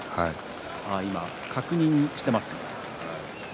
今、確認していますね。